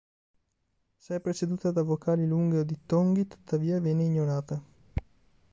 Se è preceduta da vocali lunghe o dittonghi, tuttavia, viene ignorata.